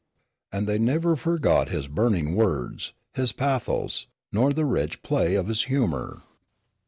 And they never forgot his burning words, his pathos, nor the rich play of his humor."